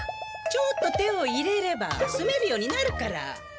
ちょっと手を入れれば住めるようになるから。